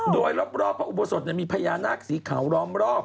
โดยรอบพระอุโบสถมีพญานาคสีขาวล้อมรอบ